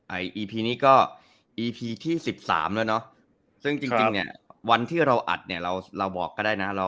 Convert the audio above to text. อันนี้ก็อีพีที่๑๓แล้วเนอะซึ่งจริงเนี่ยวันที่เราอัดเนี่ยเราบอกก็ได้นะ